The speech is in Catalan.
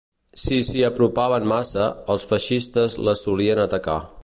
Si s'hi apropaven massa, els feixistes les solien atacar